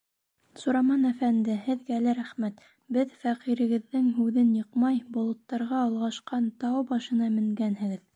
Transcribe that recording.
Сураман әфәнде, Һеҙгә лә рәхмәт, беҙ фәҡирегеҙҙең һүҙен йыҡмай, болоттарға олғашҡан тау башына менгәнһегеҙ.